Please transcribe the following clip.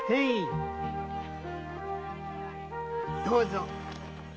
どうぞ。